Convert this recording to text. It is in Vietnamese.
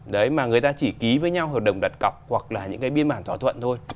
đấy mà người ta chỉ ký với nhau hợp đồng đặt cọc hoặc là những cái biên bản thỏa thuận thôi